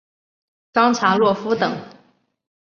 冈察洛夫等。